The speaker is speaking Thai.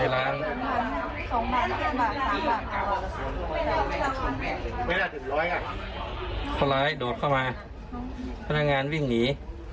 เวลาถึงร้อยอ่ะขวาล้ายโดดเข้ามาพนักงานวิ่งหนี